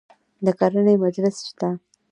د کرنې مجلې شته؟